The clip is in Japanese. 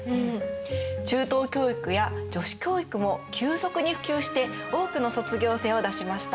中等教育や女子教育も急速に普及して多くの卒業生を出しました。